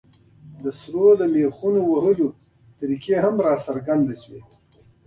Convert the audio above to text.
د سرونو د مېخونو د وهلو طریقې هم راڅرګندې شوې.